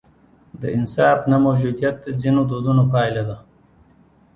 د انصاف نه موجودیت د ځینو دودونو پایله ده.